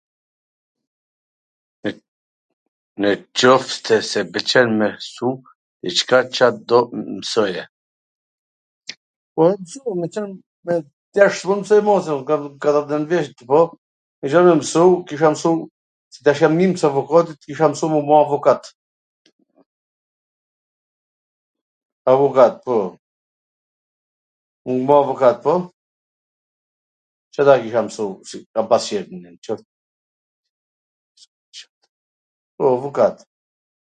Nwqoftwse pwlqem me msu diCka, Ca do msoje? Tash jam nihms avokatit, kisha msu me u bo avokat, avokat, po, m u bo avokat, po, q ata kisha msu, e kam qef po, avokat.